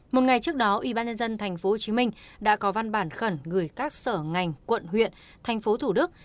một ngày trước đó ubnd tp hcm đã có văn bản khẩn gửi các sở ngành quận huyện thành phố thủ đức